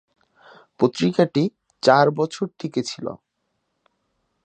পত্রিকাটি চার বছর টিকে ছিল।